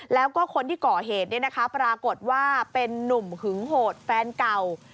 แล้วก็คนที่ก่อเหตุปรากฏว่าเป็นนุ่มหึงโหดแฟนเก่า